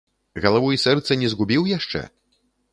Галаву і сэрца не згубіў яшчэ?